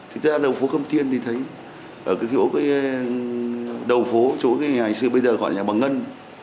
thì ra đầu phố khâm thiên thì thấy ở cái chỗ cái đầu phố chỗ cái nhà hành sư bây giờ gọi là nhà bà ngân